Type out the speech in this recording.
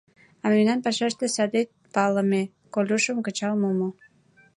А мемнан пашаште садет палыме: Колюшым кычал мумо.